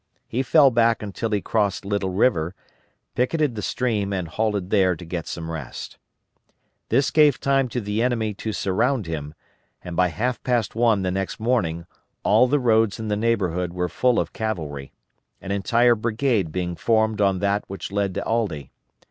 He fell back until he crossed Little River, picketed the stream and halted there to get some rest. This gave time to the enemy to surround him, and by half past one the next morning all the roads in the neighborhood were full of cavalry; an entire brigade being formed on that which led to Aldie.